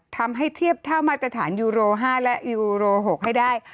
ทำให้เทียบเท่ามาตรฐานยูโร๕และยูโร๖ให้ได้